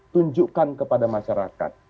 tunjukkan kepada masyarakat